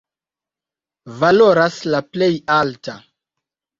Valoras la plej alta.